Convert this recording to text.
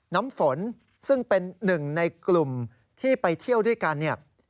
น้ำฝนซึ่งเป็นหนึ่งในกลุ่มที่ไปเที่ยวด้วยกันเนี่ย